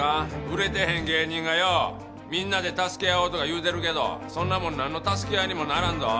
売れてへん芸人がようみんなで助け合おうとか言うてるけどそんなもんなんの助け合いにもならんぞ。